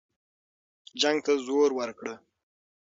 جنګ ته زور ورکړه.